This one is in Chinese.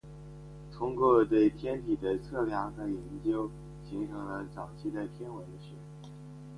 通过对天体的测量和研究形成了早期的天文学。